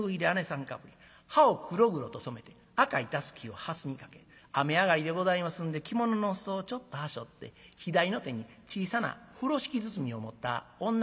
かぶり歯を黒々と染めて赤いタスキをはすにかけ雨上がりでございますんで着物の裾をちょっとはしょって左の手に小さな風呂敷包みを持った女の人でございます。